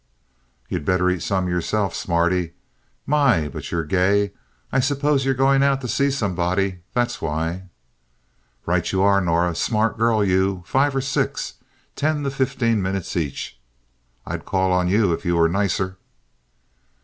"You'd better eat some yourself, smarty. My, but you're gay! I suppose you're going out to see somebody. That's why." "Right you are, Norah. Smart girl, you. Five or six. Ten to fifteen minutes each. I'd call on you if you were nicer."